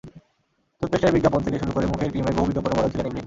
টুথপেস্টের বিজ্ঞাপন থেকে শুরু করে মুখের ক্রিমের বহু বিজ্ঞাপনের মডেল ছিলেন ইভলিন।